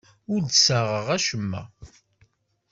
Ur d-ssaɣeɣ acemma.